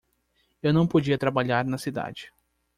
Eu não podia trabalhar na cidade.